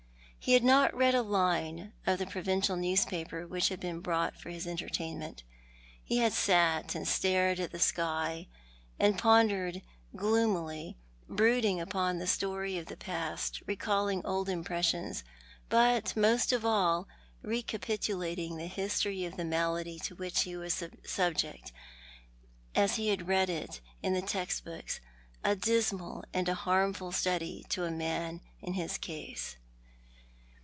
He had not read a line of the provincial newspaper which had been brought for his entertainment. He had sat and stared at the sky, and pon dered gloomily — brooding upon the story of the past, recalling old impressions— but, most of all, recapitulating the history of the malady to which he was subject, as he had read it in the text books— a dismal and a harmful study to a man in his case.